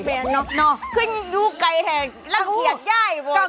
แมนเนอะเนอะคืออยู่ไกลแห่งรักเหียกย่ายเนอะแบบนี้หรือเปล่าวะ